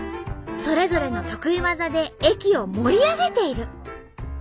それぞれの得意技で駅を盛り上げている。